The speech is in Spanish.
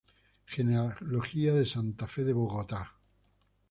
Genealogías de Santa Fe de Bogotá.